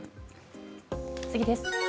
次です。